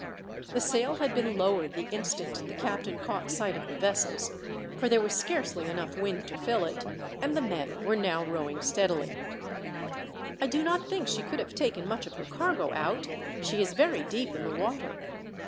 The sail had been lowered the instant the captain caught sight of the vessels, for there was scarcely enough wind to fill it, and the men were now rowing steadily. "I do not think she could have taken much of her cargo out. She is very deep in the water."